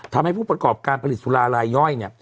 ทำให้ผู้ประกอบการผลิตสุราลายย่อย